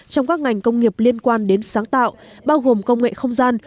trong các ngành công nghiệp liên quan đến sáng tạo bao gồm công nghệ không gian